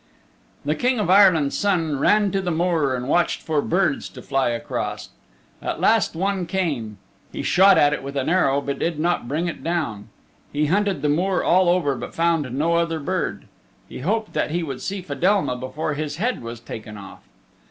The King of Ireland's Son ran to the moor and watched for birds to fly across. At last one came. He shot at it with an arrow but did not bring it down. He hunted the moor all over but found no other bird. He hoped that he would see Fedelma before his head was taken off.